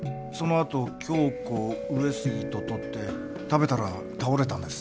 あと京子上杉と取って食べたら倒れたんです